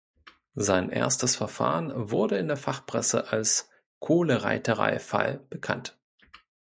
Sein erstes Verfahren wurde in der Fachpresse als „Kohle-Reiterei-Fall“ bekannt.